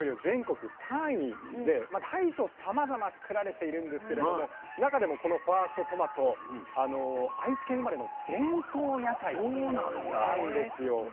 全国３位で大小さまざま作られているんですけれども中でもこのファーストトマト愛知県生まれの伝統野菜なんですよ。